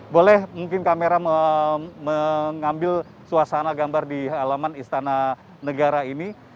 boleh mungkin kamera mengambil suasana gambar di halaman istana negara ini